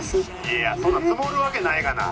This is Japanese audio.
「いやそんなの積もるわけないがな」